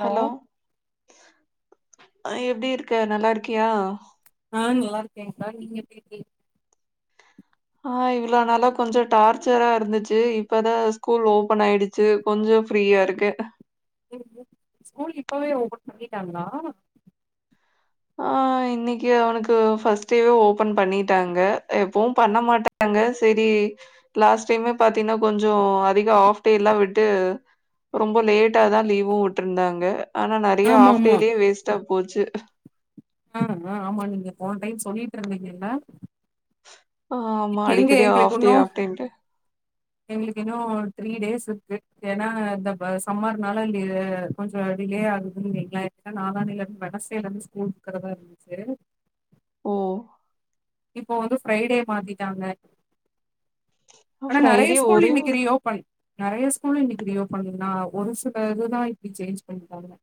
Hello அ எப்டி இருக்க நல்லா இருக்கியா ஆ நல்லா இருக்கேன்க்கா நீங்க எப்டி இருக்கீங் ஆ இவ்வளோ நாளா கொஞ்ச டார்ச்சரா இருந்துச்சு இப்பதா ஸ்கூல் ஓபன் ஆயிடுச்சு கொஞ்ச ஃப்ரீயா இருக்கே ஸ்கூல் இப்பவே ஓபன் பண்ணிட்டாங்களா ஆ இன்னைக்கு அவனுக்கு ஃபர்ஸ்ட் டேவே ஓபன் பண்ணிட்டாங்க எப்பவு பண்ண மாட்டாங் க சேரி லாஸ்ட் டைமே பாத்தீங்கனா கொஞ்ச அதிக ஹாஃப் டேல்லா விட்டு ரொம்ப லேட்டா தா லீவு விட்டுருந்தாங்க ஆனா நெறைய ஆமா ஆஃப் டேலயே வேஸ்ட்டா போச்சு ஆமா ஆமா நீங்க போன டைம் சொல்லிட்ருந்தீங்கல்ல ஆ ஆமா அடிக்கடி ஆஃப் டே இன்னு ஆஃப் டேன்ட்டு எங்களுக்கு இன்னும் த்ரீ டேஸ் இருக்கு ஏன்னா இந்த சம்மர்னால இ கொஞ்சம் டிலே ஆகுதுன்னுறிங்கலா நாலா நாளிலிருந்து வெட்னஸ்டே இருந்து ஸ்கூல் கிளம்பரதா இருந்துச்சி ஓ இப்போ வந்து ஃப்ரைடே மாத்திட்டாங்க ஆனா நெறைய ஃப்ரைடே ஸ்கூல் ஒரே ஒரு இன்னைக்கு ரீ ஓபன் நெறைய ஸ்கூல் ஃபுல் இன்னைக்கு ரீ ஓபன் நான் ஒரு சில இதுதான் இப்படி சேஞ்ச் பண்ணிட்டு வருவேன்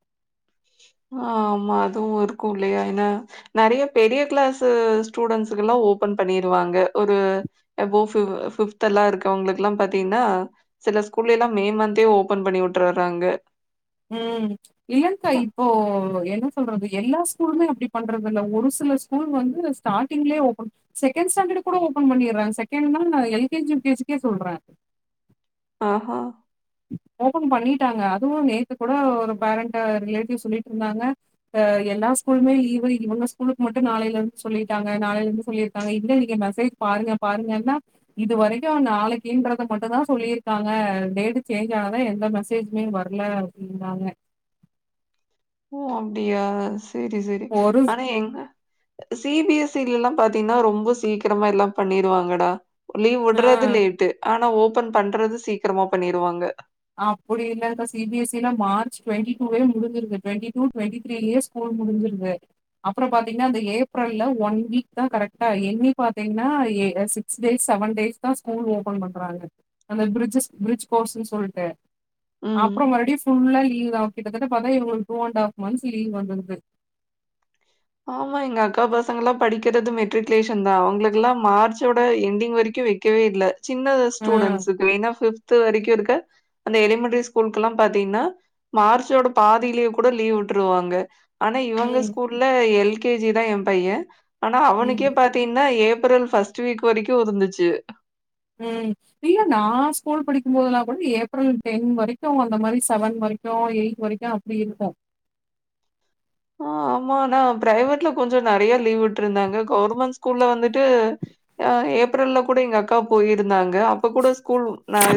[inaudible] ஆமா அதுவு இருக்கு இல்லையா ஏன நெறைய பெரிய கிளாஸு ஸ்டூடன்ஸ்க்கலாம் ஓபன் பண்ணிருவாங்க ஒரு ஆபோ ஃப்பிப்த்லாம் இருக்கவங்களுக்கு எல்லா பாத்தீங்கன்னா சிலர் ஸ்கூல்ல எல்லாம் மே மந்தே ஓபன் பண்ணி விட்டுர்றாங்க உம் இல்லங்க்கா இப்போ என்ன சொல்றது எல்லா ஸ்கூலுமே அப்டி பண்றதுல்ல ஒரு சில ஸ்கூல் வந்து ஸ்டார்டிங்லே ஓபன் செகண்ட் ஸ்டாண்டர்ட் கூட ஓபன் பண்ணிடுறாங்க செகண்ட் நான் L K G U K ஜிக்கே சொல்றேன் [inaudible] ஆஹஹா ஓபன் பண்ணிட்டாங்க அதுவு நேத்து கூட ஒரு பேரண்ட் ரிலேட்டிவ் சொல்லிட்டு இருந்தாங்க எல்லா ஸ்கூலுமே லீவு இவங்க ஸ்கூலுக்கு மட்டு நாளைல இருந்து சொல்லிட்டாங்க நாளைலருந்து சொல்லிருக்காங்க இல்ல நீங்க மெசேஜ் பாரு ங்க பாருங்கன்னா இது வரைக்கு நாளைக்குன்றத மட்டும் தான் சொல்லியிருக்காங்க டேட்டு சேஞ்ச் ஆகுத எந்த மெசேஜுமே வரல அப்புடினாங்க ஓ அப்படியா சேரி சேரி ஒரு ஆனா எங்க சி பி எஸ் சில்லாம் பாத்தீங்கன்னா ரொம்ப சீக்கிரமா எல்லா பண்ணிருவாங்கடா லீவ் ஆ. விடுறது லேட்டு ஆனா ஓபன் பண்றது சீக்கீரமா பண்ணிருவாங்க அப்டி இல்லக்கா சி பி எஸ் சி ல மார்ச் டுவண்டிடூவெ முடிஞ்சுறுது டுவண்டிடூ டுவண்டித்ரிலே ஸ்கூல் முடிஞ்சிருது அப்றோ பாத்தீங்கன்னா அந்த ஏப்ரல்ல ஒன் வீக் தான் கரெக்டா என்னி பாத்தீங்கன்னா சிக்ஸ் டேஸ் செவன் டேஸ் தான் ஸ்கூல் ஓபன் பண்றாங்க அந்த பிரிட்ஜஸ் பிரிட்ஜ் கோர்ஸ்ன்னு சொல்ட் டு ம். அப்றோ மறுபடியு ஃபுல்லா லீவ் தான் கிட்டதட்ட பாத்தா எங்களுக்கு two and half months leave வந்துருது ஆமா எங்க அக்கா பசங்கல்லாம் படிக்கிறது மெட்ரிகுலேஷன் தான் அவங்களுக்கெல்லா மார்ச்சோட எண்டிங் வரைக்கு வைக்கவே இல்லை சின்ன ஆ, ஸ்டூடெண்ஸ்க்கு ஏன்னா பிப்து வரைக்கு இருக்க அந்த எலிமெண்ட்ரி ஸ்கூலுக்கெல்லா பாத்தீங்கன்னா மார்ச்சோட பாதிலயே கூட லீவ் விட்டுருவாங்க ஆனா இவங்க ம், ஸ்கூல்ல எல் கே ஜி தான் என் பையன் ஆனா அவனுக்கே ம், பாத்தீங்கன்னா ஏப் ரல் ஃப்ர்ஸ்ட் வீக் வரைக்கு இருந்துச்சு உம் இல்ல நான் ஸ்கூல் படிக்கு போதுெல்லாம் கூட ஏப்ரல் டென் வரைக்கு அந்த மாரி செவன் வர க்கு எய்த் வரைக்கு அப்டி இருக்கு ஆஹ் ஆமானா பிரைவேட்ல கொஞ்சோ நெறைய லீவ் விட்டு இருந்தாங்க கவர்மெண்ட் ஸ்கூல்ல வந்துட்டு ஏப்ரல்ல கூட எங்க அக்கா போயிருந்தாங்க அப்ப கூட ஸ்கூல்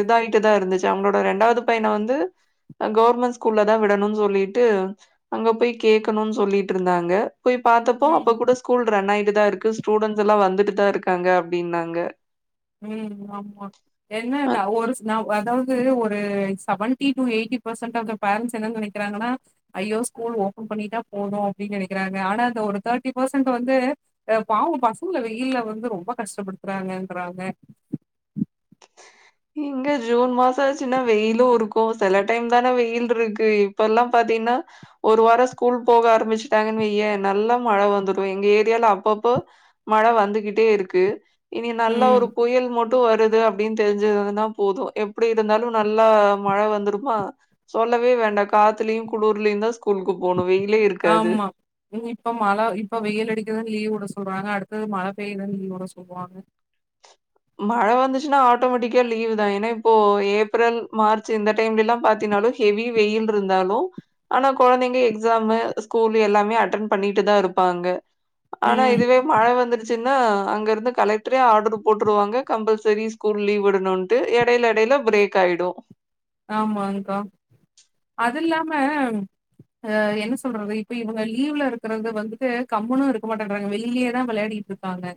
இதாயட்டுதான் இருந்துச்சு அவங்களோட ரெண்டாவது பைய ன வந்து கவர்மெண்ட் ஸ்கூல்ல தான் விடணும்னு சொல்லிட்டு அங்க போய் கேக்கணும்னு சொல்லிட்டு இருந்தாங்க போய் பார்த்தப்போ அப்ப கூட ஸ்கூல் ரன் ஆயிட்டுதான் இருக்கு ஸ்டூடெண்ட்ஸ்ல்லா வந்துட்டு தான் இருக்காங்க அப்புடின்னாங்க உம் ஆமா அ என்ன ஒரு ந அதாவது ஒரு ஒரு seventy two eighty percentage of parents என்ன நெனைக்கிறாங்கா ஐயோ ஸ்கூல் ஓபன் பண்ணிட்டா போது அப்புடின்னு நினைக்கிறாங்க ஆனா அ ஒரு தேர்ட்டி பெர்சன்ட் வந்து பாவோ பசங்கல வந்து வெயில்ல வந்து ரொம்ப ரொம்ப கஷ்டப்படுத்துறாங்கன்றாங்க இங்க ஜூன் மாசம் ஆச்சுன்னா வெயிலு இருக்கு சில டைம் தானே வெயில் இருக்கு இப்ப எல்லாம் பாத் தினா ஒரு வாரோ ஸ்கூல் போக ஆரம்பிச்சிட்டாங்கன்ன நல்லா மழ வந்துரு எங்க ஏரியால நல்லா அப்பப்ப போ மழ வந்துகிட்டே இருக்கு இனி நல்ல ம். ஒரு புயல் மொட்டு வருது அப்புடின்னு தெரிஞ்சு னா போதும் எப்படி இருந்தாலும் நல்லா மழை வந்துருமா சொல்லவே வேண்டா காத்துலயு குளுர்லயுந்தா ஸ்கூ ஆமா ம் இப்ப மழ இப்ப வெயில் அடிக்குதுனு லீவ்வுட சொல் சொல்றாங்க அடுத்தது மழ பெய்துன் லீவ்வுட சொல்வாங்க மழ வந்துச்சுன்னா ஆட்டோமேட்டிக்கா லீவுதா ஏனா இப்போ ஏப்ரல் மார்ச் இந்த டைம்லில்லா பாத்தீனா லு ஹெவி வெயில்ருந்தாலு ஆனா கொழந்தைங்க எக்ஸாமு ஸ்கூல் எல்லாமே அட்டன் பண்ணிட்டு தா ட்ருப்பாங்க ஆனா ம். இதுவே மழ வந்துருச்சுன்னா அங்கருந்து கலெக்ட்ரே ஆட்ரு போட்ருவாங்க கம்பல்சரி ஸ்கூல் லீவ் விடணுன்ட்டு எடைல எடைல பிரேக் ஆய்டு ஆமாங்க்கா அது இல்லாம அ என்ன சொல்றது இப்ப இவுங்க லீவ்ல இருக்றது வந்துட்டு கம்முனு இருக்க மாட்டேன்றாங்க வெளிலியே தா வெளையாடி இருக்காங்க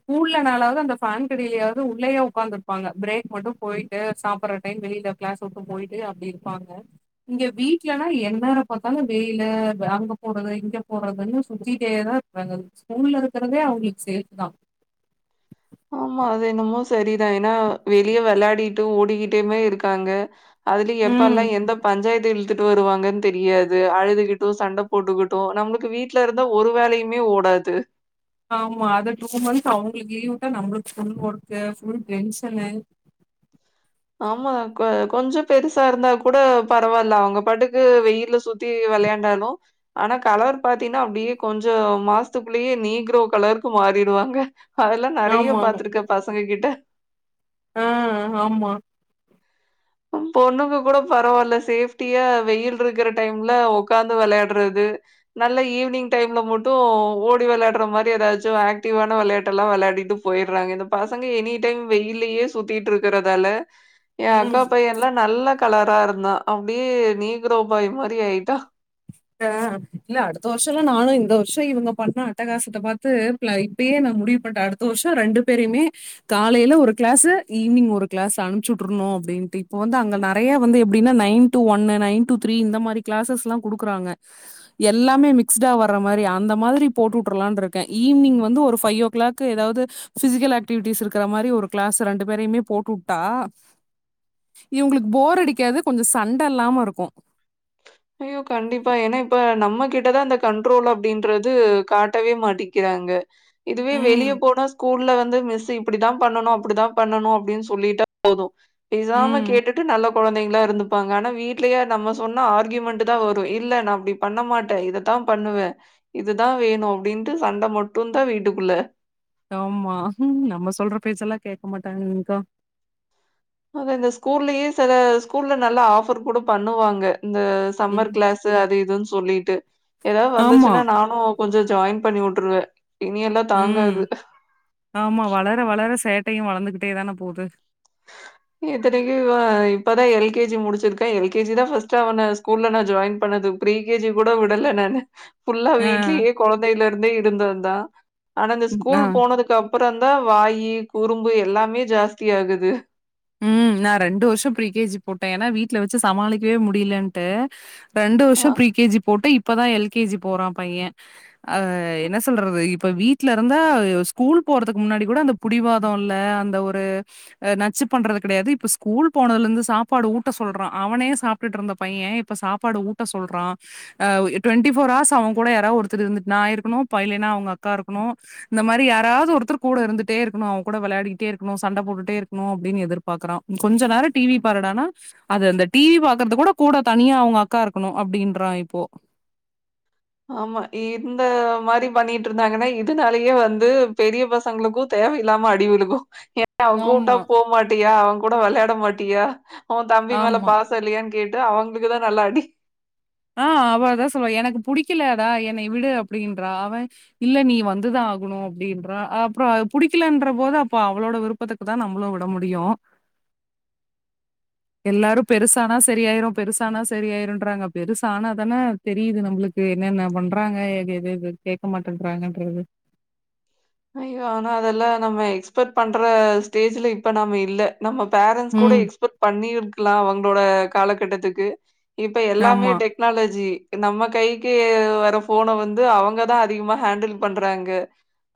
ஸ்கூல்லனாலாவ்து அந்த ஃபேன்க்கடிலியாவ்து உள்ளயே உக்காந்ருப்பாங்க பிரேக் மட்டு போய்ட்டு சாப்பட்ற டைம்க் வெளி இந்த க்ளாஸ் உட்டு போய்ட்டு அப்டி இருப்பாங்க இங்க வீட்லலா என் நேரோ பாத்தாலு வெயிலு அங்க போறது இங்க போறதுன்னு சுத்திட்டே தா இருப்பாங்க அதுக்கு ஸ்கூல்ல இருக்றதே அவுங்ளுக் சேஃப் தா ஆமா அது என்னமோ சரிதா ஏனா வெளிய வெளாடிட்டு ஓடிகிட்டுமே இருக்காங்க அதுலயு ம். எப்பல்லா எந்த பஞ்சாயத்து இழு த்துட்டு வருவாங்கன் தெரியாது அழுதுகிட்டு சண்ட போட்டுக்கிட்டு நம்ளுக்கு வீட்ல இருந்த ஒரு வேலையுமே ஓட [unintelligible] ஆமா அதா டூ மந்த்ஸ் அவுங்ளுக்கு லீவுட்டா நம்ளுக்கு ஃபுல் வொர்க் ஃபுல் டென்ஷனு ஆமா கொ கொஞ்சோ பெருசா இருந்தா கூட பரவால்ல அவுங்க பாட்டுக்கு வெயில்ல சுத்தி வெளையாண் டாலு ஆனா கலர் பாத்தீன்னா அப்டியே கொஞ்சோ மாசத்துக்குள்ளேயே நீக்ரோ கலர்க்கு மாறிடுவா காங்க அதெல்லா நெறையா ஆமாமா. பாத்ருக்க பசங்க கிட்ட ஆ ஆமா அம் பொண்ணுங்க கூட பரவால்லா சேஃப்டியா வெயில்ருக்ற டைம்ல ஒக்காந்து வெளையாட்றது நல்லா ஈவ்னிங் டைம்ல மட்டு ஓடி வெளையாட்ற மாரி ஏதாச்சு ஏக்டிவான வெளையாட்டல்லா வெளையாடிட்டு போய் போய்ட்றாங்க இந்த பசங்க எனி டைம் வெய்லியே சுத்திட்ருக்கறதால எ அக்கா ம். பையெல்லா நல்லா கலரா இருந்தா அப்டியே நீக்ரோ பாய் மாரி ஆய்ட்டா [unintelligible] இல்ல அடுத்த வர்ஷோல்லா நானு இந்த வர்ஷோ இவங்க பண்ண அட்டகாசத்த பாத்து ப்ளை இப்பையே முடிவுப்பண்ட்ட அடுத்த வர்ஷோ ரெண்டு பேரயுமே காலைல ஒரு க்ளாஸு ஈவ்னிங் ஒரு க்ளாஸ் அனுப்ச்சி உட்ருனு அப்டின்ட்டு இப்ப வந்து அங்க நெறையா வந்து எப்டினா nine to one nine to three இந்த மாரி க்ளாசஸ்லா குடுக் றாங்க எல்லாமே மிக்ஸ்டா வர்ற மாரி அந்த மாத்ரி போட்டுட்ருலான்ட்ருக்கே ஈவ்னிங் வந்து ஒரு ஃபைவ் ஓ க்ளாக்கு ஏதாவ்து ஃபிசிக்கல் ஆக்டிவிட்டிஸ் இருக்கற மாரி ஒரு க்ளாஸு ரெண்டு பேரைய்மே போட்டுட்டா இவுங்ளுக் போர் அடிக்காது கொஞ்சோ சண்ட இல்லாம இருக்கு ஐயோ கண்டிப்பா ஏனா இப்ப நம்ம கிட்டதா இந்த கண்ட்ரோல் அப்டின்றது காட்டவே மாட்டிக்கி றாங்க இதுவே வெளிய ம் போன ஸ்கூல்ல வ ந்து மிஸ் இப்டித்தா பண்ணணு அப்டித்தா பண்ணணு அப்டின் சொல்லிட்டா போது பேசாம ம் கேட்டுட்டு நல்ல கொழந்தைங்ளா இருந்துப்பாங்க ஆனா வீட்லயா நம்ம சொன்னா ஆர் க்யூமென்ட்தா வரு இல்ல நா அப்டி பண்ண மாட்டே இதத்தா பண்ணுவே இதுதா வேணு அப்டின்ட்டு சண்ட மட்டு தா வீட்டுக்குள்ள ஆமா நம்ம சொல்ற பேச்சல்லா கேக்க மாட்டாங்க்கா அத இந்த ஸ்கூல்லையே செல ஸ்கூல்ல நல்ல ஆஃபர் கூட பண்ணுவாங்க இந்த சம்மர் ம் க்ளாஸ் அது இதுன் சொல்லீட்டு ஏதாத் ஆமா வந்துச்சுன்னா நானு கொஞ்சோ ஜாய்ன் பண்ணி உட்ருவே ம் ஆமா வளர வளர சேட்டையு வளந்துகிட்டே தானே போது இத்தரைக்கு இவ இப்பதா எல் கே ஜி முடிச்சிருக்கா எல் கே ஜி தா ஃபஸ்ட் அவன ஸ்கூல்ல நா ஜாய்ன் பண் அது ப்ரிகேஜி கூட விடல நானு புஃல்லா ஆ வீட்லயே கொழந்தல இருந்தே இருந்து வந்தா ஆனா இந்த ஆ ஸ்கூல் போனதுக்கு அப் ப்பரோதா வாயி குறும்பு எல்லாமே ஜாஸ்தி ஆகுது ம் நா ரெண்டு வர்ஷோ ப்ரீகேஜி போட்டே ஏன்னா வீட்ல வச்சு சமாளிக்கவே முடியலன்ட்டு ரெண்டு ஆ வர்ஷோ ப்ரீகேஜி போட்டு இப்பதா எல்கேஜி போறா பைய அ என்ன சொல்றது இப்ப வீட்ல இருந்தா ஸ்கூல் போறதுக் முன்னாடி கூட அந்த புடிவாதோ இல்ல அந்த ஒரு நச்சு பண்றது கெடையாது இப்போ ஸ்கூல் போனதுல இருந்து சாப்பாடு ஊட்ட சொல்றா அவனே சாப்டுட்டுருந்த பைய இப்ப சாப்பாடு ஊ ட்ட சொல்றா அ டுவென்டி ஃபோர் ஹார்ஸ் அவன் கூட யாரா ஒருத்தரு இருந்துட் நா இருக்கனு பா இல்லனா அவுங்க அக்கா இருக்க னு இந்த மாரி யாராவது ஒருத்தர் கூட இருந்துட்டே இருக்கணு அவ கூட விளையாடிட்டே இருக்கணு சண்ட போட்டுட்டே இருக்கணு டினு எதிர் பாக்குறா கொஞ்ச நேர டிவி பாருடானா அது அந்த டிவி பாக்குறது கூட கூட தனியா அவுங்க அக்கா ருக்கணு அப்டின்றா இப்போ ஆமா இந்த மாரி பண்ணிட்டு இருந்தாங்கனா இதனாலயே வந்து பெரிய பசங்களுக்கு தெ தேவை இல்லாம அடி விழுகு ஏன் அவ கூப்டா ஆமா, போகமாட்டியா அவன் கூட விளையாட மாட்டியா ஓன் தம்பி மேல ஆமா. பாச இல்லயான்னு கேட்டு அவுங்களுக்கு தா நல்ல அடி ஆ அவ அதா சொல்லுவா எனக்கு புடிக்கலதா என்னை விடு அப்டின்றா அவன் இல்ல நீ வந்துதா ஆகணு அப்டின்றா அப்புற புடிக்கலன்ற போது அப்ப அவளோட விருப்பத்துக்கு தா நம்மளு விட முடியு எல்லாரு பெருசானா சரியாயிரு பெருசானா சரியாயிருன்றாங்க பெருசு ஆனா தானே தெரியுது நம்பளுக்கு என்னென்ன பண்றாங்க எது எது எது கேக்க மாட்டேன்றாங்கன்றது ஐயோ ஆனா அதெல்லா நம்ம எக்ஸ்பெக்ட் பண்ற ஸ்டேஜ்ல இப்ப நாம இல்ல நம்ம பேரண்ட்ஸ் கூட ம். எக்ஸ்பெக்ட் பண்ணி இருக்கலா அவங்களோட காலகட்டத்துக்கு இப்ப எல்லாமே ஆமா. டெக்னாலஜி நம்ம கைக்கு வர போன வந்து அவுங்கதா அதிகமா ஹேண்டில் பண்றாங்க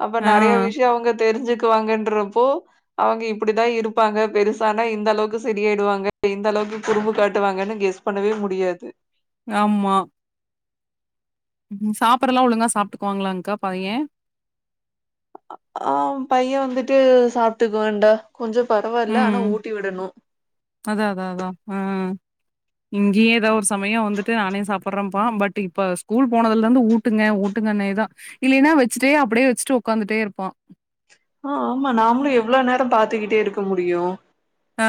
அப்ப ஆ. நெறய விஷய அவுங் தெரிஞ்சுக்குவாங்கன்றப்போ அவுங்க இப்டிதா இருப்பாங்க பெருசானா இந்த அளவுக்கு சரியாயிடுவாங்க இந்த அளவுக்கு குரும்பு காட்டுவாங்கன்னு கெஸ் பண்ணவே முடியாது ஆமா ம் சாப்பிடறலா ஒழுங்கா சாப்பிட்டுக்குவாங்களாக்கா பைய ஆ பைய வந்துட்டு சாப்டுக்குவாண்டா கொஞ்ச பரவா இல்ல ஆனா ம். ஊட்டி விடணு அதான் அதான் அதான். ஆ. இங்கேயே ஏதாவ ஒரு சமய வந்துட்டு நானே சாப்பிடடுறேன்பா பட் இப்ப ஸ்கூல் போனதுல இருந்து ஊட்டுங்க ஊட்டுங்க நே தா இல்லினா வச்சுட்டே அப்டியே வச்சுட்டு உடக்காந்துட்டே இருப்பா ஆ ஆமா நாமளு எவ்ளோ நேரம் பாத்துக்கிட்டே இருக்க முடியு ஆ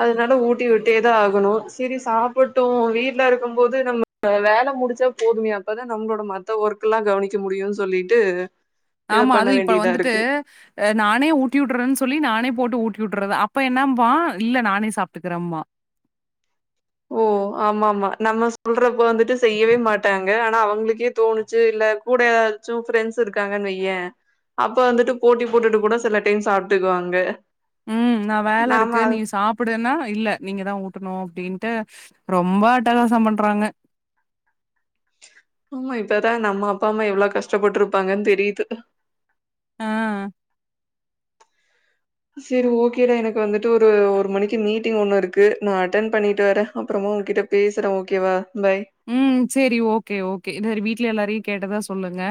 அதனால ஊட்டி விட்டே தா ஆகணு சேரி சாப்புட்டு வீட்ல இருக்கு போது நம்ம வேல முடிச்சா போதுமே அப்போதா நம்மளோட மத்த ஒர்க் க்கெல்லா கவனிக்க முடியுனு சொல்லிட்டு இத ஆமா பண்ண அது இப்ப வேண்டியதா வந்துட்டு் இருக்கு நானே ஊட்டி விடுறேன்னு சொல்லி நானே போட்டு ஊட்டி ட்டுறது அப்ப என்னம்பா இல்ல நானே சாப்ட்டுக்கிறேம்பா ஓ ஆமா ஆமா நம்ம சொல்றப்போ வந்துட்டு செய்யவே மாட்டாங்க ஆ னா அவுங்ளுக்கே தோணுச்சு இல்ல கூட ஏதாச்சு ப்ரெண்ட்ஸ் இருக்காங்கன்னு வையே அப்ப வந்துட்டு போட்டி போட்டுட்டு கூட சில டைம் சாப்ட்டுக்குவாங்க ம் நா வேல நாம இருக்கு நீ சாப்பிடுன்னா இல்ல நீங்க தா ஊட்டணு அப்டின் ட்டு ரொம்ப அட்டகாசம் பண்றாங்க ஆமா இப்பதா நம்ம அப்பா அம்மா எவ்ளோ கஷ்டப்பட்டுருப்பாங்கன் தெரியிது ஆ சேரி ஓகேடா எனக்கு வந்துட்டு ஒரு ஒரு மணிக்கு மீட்டிங் ஒண்ணு இருக்கு நா அட்டண்ட் பண்ணிட்டு வரே அப் உன்கிட்ட பேசுறே ஓகேவா பாய். ம் சேரி ஓகே ஓகே இந்த வீட்ல எல்லாரையு கேட்டதா சொல்லுங்க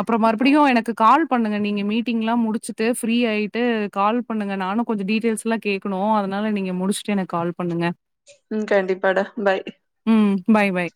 அப்புற மறுபடியு எனக்கு கால் பண்ணுங்க நீங்க மீட்டிங்லா முடிச்சுட்டு ஃப்ரீ ஆயிட்டு கால் பண்ணுங்க நானு கொஞ்ச டீட்டெயில்ஸ்லா எல்லா கேக்கணு அத அதனால நீங்க முடிச்சுட்டு எனக்கு கால் பண்ணுங்க ம் கண்டிப்பாடா பாய் ம். பாய் பாய்